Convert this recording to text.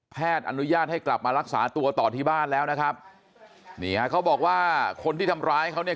อนุญาตให้กลับมารักษาตัวต่อที่บ้านแล้วนะครับนี่ฮะเขาบอกว่าคนที่ทำร้ายเขาเนี่ย